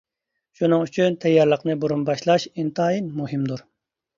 شۇنىڭ ئۈچۈن تەييارلىقنى بۇرۇن باشلاش ئىنتايىن مۇھىمدۇر.